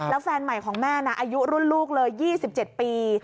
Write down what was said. แล้วแฟนใหม่ของแม่นะอายุรุ่นลูกเลย๒๗ปี